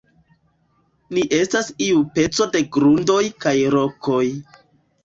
Ne estas iu peco de grundoj kaj rokoj.